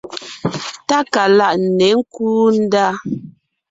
Tákaláʼ ně kúu ndá.